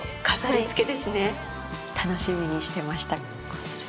楽しみにしてました。